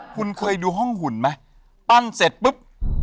คุณเคยดูห้องหุ่นไหมปั้นเสร็จปุ๊บ